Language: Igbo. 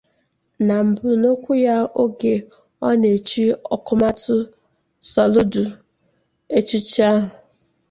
Na mbụ n'okwu ya oge ọ na-echi Ọkammụta Soludo echichi ahụ